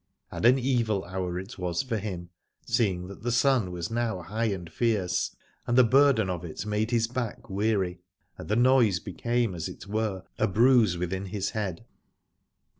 And an evil hour it was for him, seeing that the sun was now high and fierce, and the burden of it made his back weary, and the noise became as it were a bruise within his head.